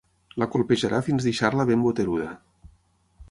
La colpejarà fins deixar-la ben boteruda.